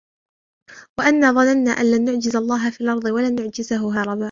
وَأَنَّا ظَنَنَّا أَنْ لَنْ نُعْجِزَ اللَّهَ فِي الْأَرْضِ وَلَنْ نُعْجِزَهُ هَرَبًا